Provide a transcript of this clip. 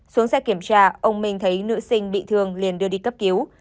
xuống xe kiểm tra ông minh thấy nữ sinh bị thương liền đưa đi cấp cứu